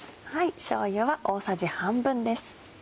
しょうゆは大さじ半分です。